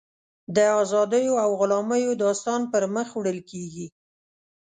د ازادیو او غلامیو داستان پر مخ وړل کېږي.